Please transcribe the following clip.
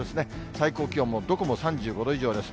最高気温もどこも３５度以上です。